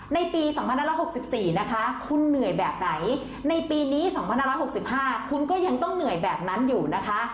ในปี๒๑๖๔นะคะคุณเหนื่อยแบบไหนในปีนี้๒๕๖๕คุณก็ยังต้องเหนื่อยแบบนั้นอยู่นะคะ